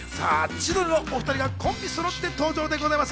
千鳥のお２人がコンビそろって登場でございます。